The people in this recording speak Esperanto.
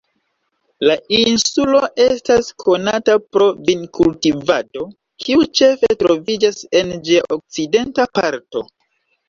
La insulo estas konata pro vinkultivado, kiu ĉefe troviĝas en ĝia okcidenta parto.